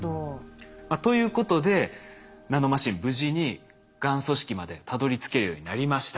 ということでナノマシン無事にがん組織までたどりつけるようになりました。